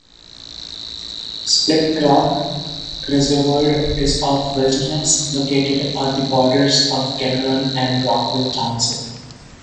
Splitrock Reservoir is of wilderness, located on the borders of Kinnelon and Rockaway Township.